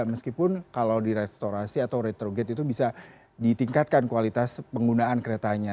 meskipun kalau di restorasi atau retrogate itu bisa ditingkatkan kualitas penggunaan keretanya